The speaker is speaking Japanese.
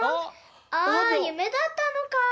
あゆめだったのか！